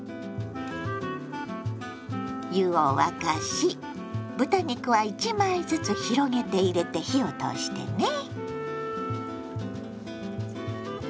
湯を沸かし豚肉は１枚ずつ広げて入れて火を通してね。